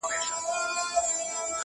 اې د مځكى پر مخ سيورې د يزدانه؛